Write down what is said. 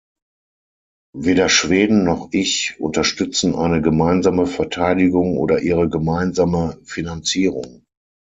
Weder Schweden noch ich unterstützen eine gemeinsame Verteidigung oder ihre gemeinsame Finanzierung.